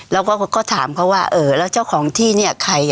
เราก็ถามเขาว่าแล้วเจ้าของที่นี่ใคร